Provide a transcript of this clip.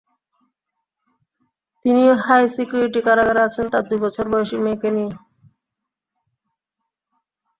তিনিও high security কারাগারে আছেন তাঁর দুই বছর বয়সী মেয়েকে নিয়ে।